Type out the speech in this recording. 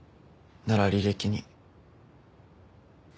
なら履歴に。